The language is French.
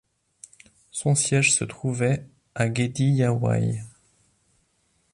Son siège se trouvait à Guédiawaye.